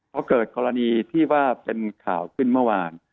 พอเกิดกรณีที่ว่าเป็นข่าวขึ้นเมื่อวาน